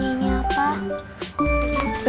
seneng banget nya ini apa